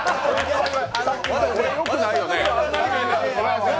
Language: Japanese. これ、よくないよね。